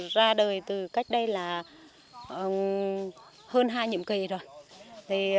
ra đời từ cách đây là hơn hai nhiệm kỳ rồi